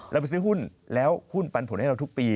เราไปซื้อหุ้นแล้วหุ้นปันผลให้เราทุกปี